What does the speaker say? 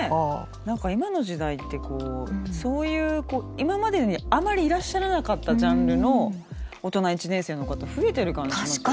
何か今の時代ってこうそういう今までにあまりいらっしゃらなかったジャンルの大人１年生の方増えてる感じしますよね。